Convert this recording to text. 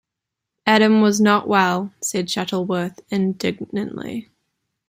Adam was not well, said Shuttleworth indignantly.